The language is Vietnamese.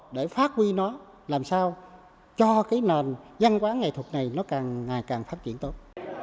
để phát huy nó làm sao cho cái nền văn hóa nghệ thuật này nó càng ngày càng phát triển tốt